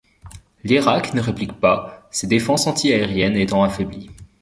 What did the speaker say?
L'Irak ne réplique pas, ses défenses anti-aériennes étant affaiblies.